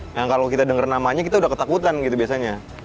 nah kalau kita dengar namanya kita udah ketakutan gitu biasanya